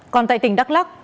còn tại tỉnh đắk lắc